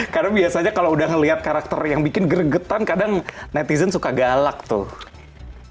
karena biasanya kalau udah ngelihat karakter yang bikin gregetan kadang netizen suka galak tuh